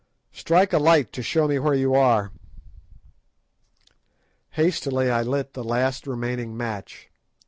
Strike a light to show me where you are." Hastily I lit the last remaining match.